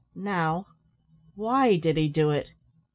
Now, why did he do it?